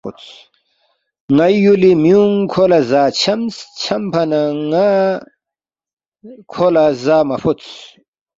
ن٘ئی یُولی میُونگ کھو لہ زا چھمس، چھمفا نہ ن٘ا کھو لہ زا مہ فوتس